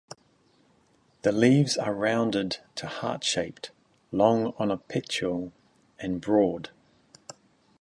The leaves are rounded to heart-shaped, long on a petiole, and broad.